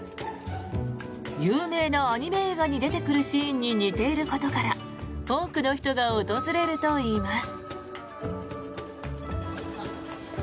有名なアニメ映画に出てくるシーンに似ていることから多くの人が訪れるといいます。